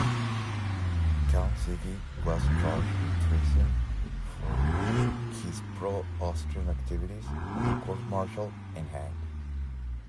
Count Zichy was charged with treason for his pro-Austrian activities, court-martialed, and hanged.